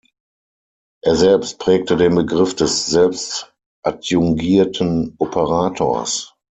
Er selbst prägte den Begriff des selbstadjungierten Operators.